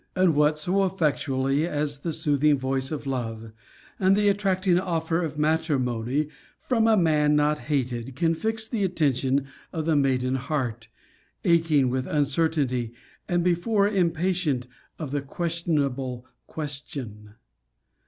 And what so effectually as the soothing voice of Love, and the attracting offer of matrimony from a man not hated, can fix the attention of the maiden heart, aching with uncertainty, and before impatient of the questionable question?